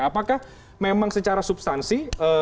apakah memang secara substansi